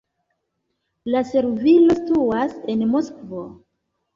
La servilo situas en Moskvo.